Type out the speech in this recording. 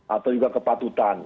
atau juga kepatutan